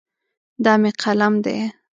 دا مې قلم دی.